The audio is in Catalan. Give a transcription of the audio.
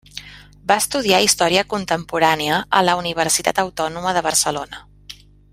Va estudiar Història Contemporània a la Universitat Autònoma de Barcelona.